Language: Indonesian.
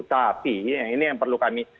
tapi ini yang perlu kami